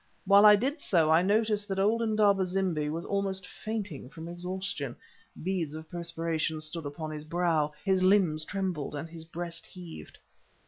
While I did so, I noticed that old Indaba zimbi was almost fainting from exhaustion. Beads of perspiration stood upon his brow, his limbs trembled, and his breast heaved.